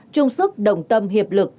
trung sức đồng tâm hiệp lực